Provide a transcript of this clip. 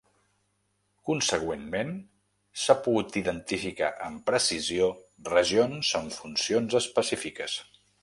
Consegüentment s’ha pogut identificar amb precisió regions amb funcions especifiques.